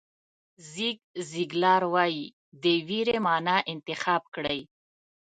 زیګ زیګلار وایي د وېرې معنا انتخاب کړئ.